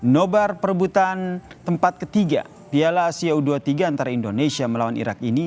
nobar perebutan tempat ketiga piala asia u dua puluh tiga antara indonesia melawan irak ini